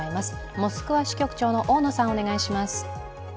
モスクワ支局長の大野さん、お願いします。